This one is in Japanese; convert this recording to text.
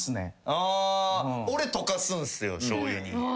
あ俺溶かすんすよしょうゆに。